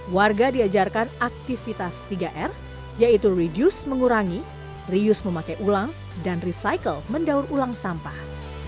warga diajarkan aktivitas tiga r yaitu reduce mengurangi reuse memakai ulang dan recycle mendaur ulang sampah